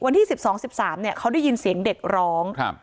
วันที่๑๒๑๓เขาได้ยินเสียงเด็กร้อง